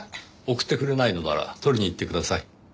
送ってくれないのなら取りに行ってください。